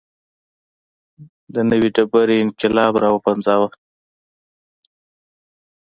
د نوې ډبرې انقلاب راوپنځاوه.